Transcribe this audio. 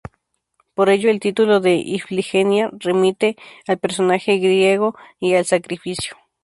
Por ello, el título de "Ifigenia" remite al personaje griego y al sacrificio.